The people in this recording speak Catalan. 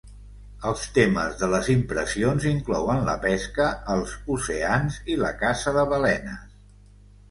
Els temes de les impressions inclouen la pesca, els oceans i la caça de balenes.